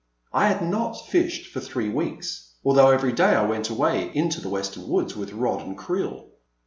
I had not fished for three weeks, although every day I went away into the western woods with rod and creel.